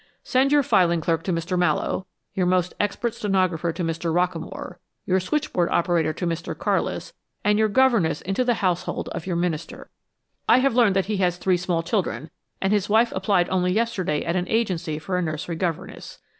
Send your filing clerk to Mr. Mallowe, your most expert stenographer to Mr. Rockamore, your switchboard operator to Mr. Carlis, and your governess into the household of your minister. I have learned that he has three small children, and his wife applied only yesterday at an agency for a nursery governess.